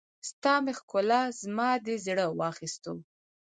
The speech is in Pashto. ستا مې ښکلا، زما دې زړه واخيستو